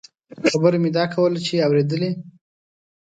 خبره مې دا کوله چې اورېدلې.